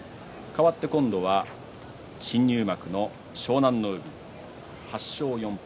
今度はかわって新入幕の湘南乃海８勝４敗。